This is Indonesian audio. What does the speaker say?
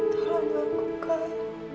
tolong aku kak